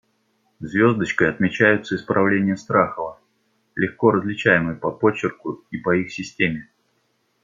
Звездочкой отмечаются исправления Страхова, легко различаемые по почерку и по их системе.